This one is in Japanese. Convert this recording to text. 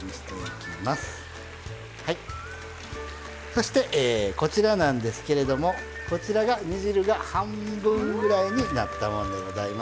そしてこちらなんですけれどもこちらが煮汁が半分ぐらいになったもんでございます。